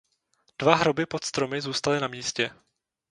Dva hroby pod stromy zůstaly na místě.